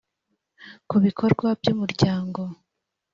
ku bikorwa by umuryango